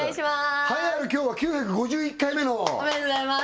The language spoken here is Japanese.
栄えある今日は９５１回目のおめでとうございます